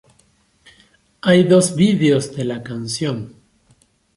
Hay dos vídeos de la canción.